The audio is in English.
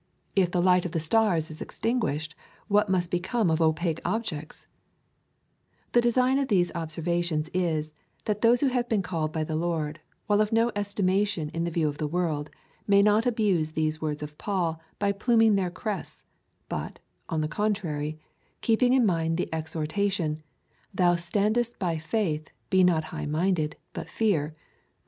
If the light of the stars is extinguished, what must become of opaque objects V The design of these observations is, that those who have been called by the Lord, while of no estimation in the view of the world, may not abuse these words of Paul by pluming their crests, but, on the contrary, keeping in mind the exhortation — Thou standest by faith, be not high minded, but fear, (Rom.